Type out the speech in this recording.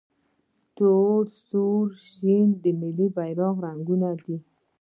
تور، سور او شین د ملي بیرغ رنګونه دي.